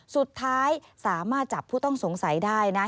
สุดท้ายสามารถจับผู้ต้องสงสัยได้นะ